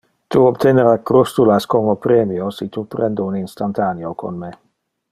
Tu obtenera crustulas como premio si tu prende un instantaneo con me.